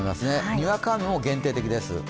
にわか雨も限定的です。